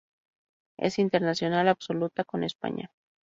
Es internacional absoluta con España.